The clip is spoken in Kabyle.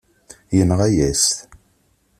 Yenɣa-yas-t.